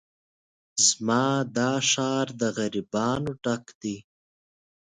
زما دا ښار د غريبانو ډک دی